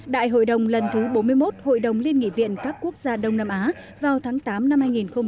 đại hội đồng lần thứ bốn mươi một hội đồng liên nghị viện các quốc gia đông nam á vào tháng tám năm hai nghìn hai mươi